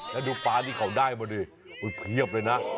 แล้วดูฟ้าที่เขาได้มาดิเพียบเลยนะ